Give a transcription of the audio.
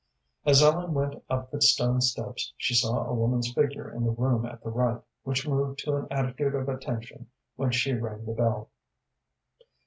As Ellen went up the stone steps she saw a woman's figure in the room at the right, which moved to an attitude of attention when she rang the bell.